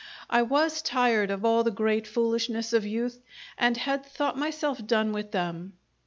I was tired of all the great foolishnesses of youth, and had thought myself done with them.